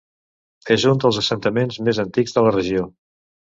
És un dels assentaments més antics de la regió.